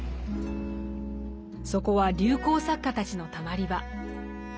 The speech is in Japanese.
そこは流行作家たちのたまり場。